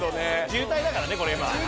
渋滞だからねこれ今。